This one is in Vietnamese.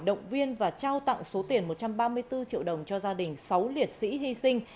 động viên và trao tặng số tiền một trăm ba mươi bốn triệu đồng cho gia đình sáu liệt sĩ hy sinh